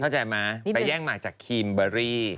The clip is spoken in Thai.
เข้าใจไหมไปแย่งมาจากคิมเบอรี่